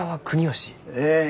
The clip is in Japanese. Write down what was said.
ええ。